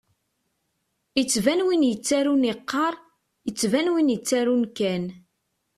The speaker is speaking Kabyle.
Ittban win yettarun iqqar, ittban win ittarun kan.